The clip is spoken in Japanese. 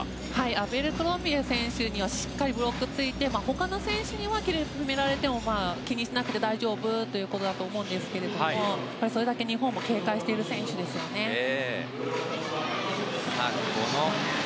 アベルクロンビエ選手にはしっかりブロックをついて他の選手には決められても気にしなくて大丈夫ということだと思うんですが、それだけ日本も警戒している選手ですので。